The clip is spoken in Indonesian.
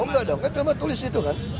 oh nggak dong kan cuma tulis itu kan